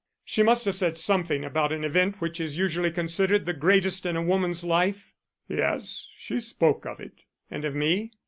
She must have said something about an event which is usually considered the greatest in a woman's life." "Yes, she spoke of it." "And of me?"